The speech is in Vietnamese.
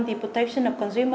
để bảo vệ kỹ năng của họ